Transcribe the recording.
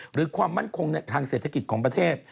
หรือความมั่นคงทางเศรษฐกิจของประเทศ